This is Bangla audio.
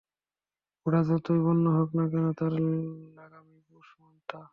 ঘোড়া যতই বন্য হোক না কেন, তার লাগামেই পোষ মানত।